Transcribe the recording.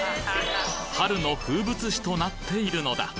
春の風物詩となっているのだ。